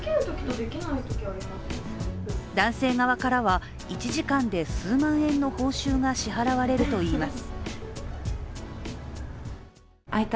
男性側からは、１時間で数万円の報酬が支払われるといいます。